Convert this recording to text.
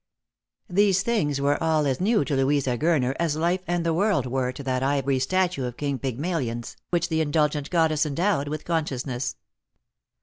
These things were all as new to Louisa Gurner as life and the world were to that ivory statue of King Pygmalion's, which the indulgent goddess endowed with consciousness.